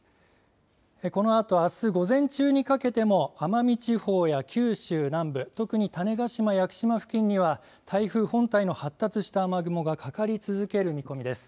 このあとあす午前中にかけても奄美地方や九州南部、特に種子島・屋久島付近には台風本体の発達した雨雲がかかり続ける見込みです。